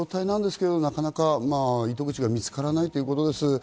なんですが、なかなか糸口が見つからないということです。